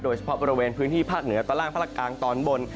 โดยเฉพาะบริเวณพื้นที่ภาคเหนือตอนล่างภาคกลางตอนบน